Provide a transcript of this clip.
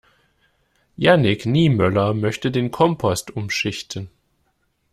Jannick Niemöller möchte den Kompost umschichten.